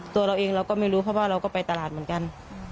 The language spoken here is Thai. ตัวเราเองเราก็ไม่รู้เพราะว่าเราก็ไปตลาดเหมือนกัน